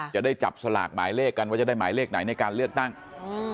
จะได้จับสลากหมายเลขกันว่าจะได้หมายเลขไหนในการเลือกตั้งอืม